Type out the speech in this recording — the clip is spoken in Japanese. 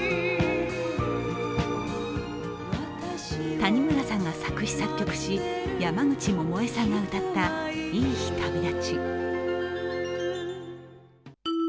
谷村さんが作詞・作曲し、山口百恵さんが歌った「いい日旅立ち」。